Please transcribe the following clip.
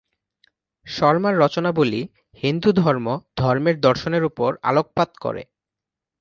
শর্মার রচনাবলি হিন্দুধর্ম, ধর্মের দর্শনের উপর আলোকপাত করে।